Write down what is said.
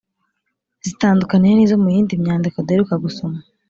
zitandukaniye he n’izo mu yindi myandiko duheruka gusoma?